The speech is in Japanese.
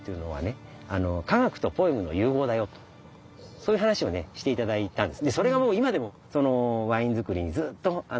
そういう話をして頂いたんです。